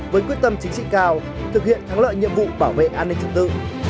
với quyết tâm chính trị cao thực hiện thắng lợi nhiệm vụ bảo vệ an ninh trật tự